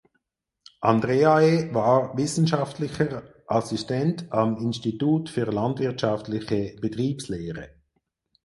Andreae war Wissenschaftlicher Assistent am Institut für landwirtschaftliche Betriebslehre.